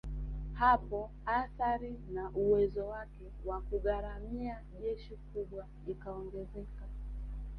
Hapo athari na uwezo wake wa kugharamia jeshi kubwa ikaongezeka